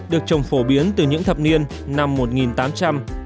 được trồng phổ biến từ những thập niên năm một nghìn tám trăm linh